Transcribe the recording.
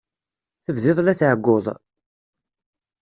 Tebdiḍ la tɛeyyuḍ?